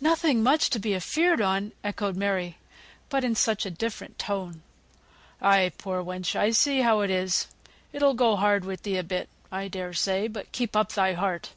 "Nothing much to be afeared on!" echoed Mary, but in such a different tone. "Ay, poor wench, I see how it is. It'll go hard with thee a bit, I dare say; but keep up thy heart.